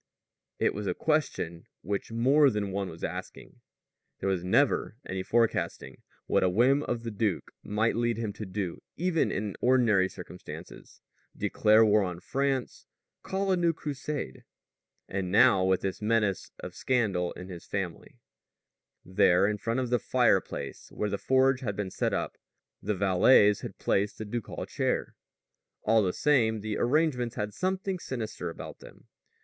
It was a question which more than one was asking. There was never any forecasting what a whim of the duke might lead him to do even in ordinary circumstances declare war on France, call a new Crusade. And now, with this menace of scandal in his family! There in front of the fireplace where the forge had been set up, the valets had placed the ducal chair. All the same, the arrangements had something sinister about them.